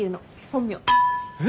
本名。